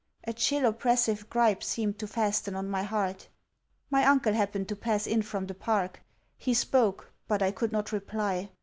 A chill oppressive gripe seemed to fasten on my heart. My uncle happened to pass in from the park. He spoke, but I could not reply.